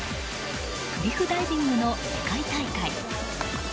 クリフダイビングの世界大会。